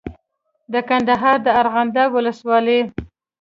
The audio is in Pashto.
د کندهار د ارغنداب ولسوالۍ